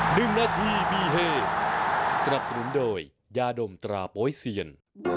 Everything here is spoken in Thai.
หนึ่งนาทีมีเฮสนับสนุนโดยยาดมตราโป๊ยเซียน